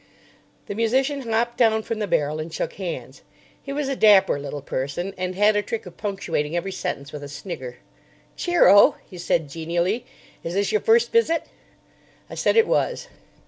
The musician hopped down from the barrel and shook hands. He was a dapper little person, and had a trick of punctuating every sentence with a snigger. "Cheer o," he said genially. "Is this your first visit?" I said it was.